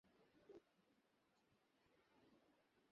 সাধারণতঃ বৈশাখ থেকে আষাঢ় মাস পর্যন্ত এই নাচের আসর বসে।